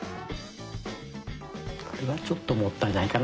これはちょっともったいないかな。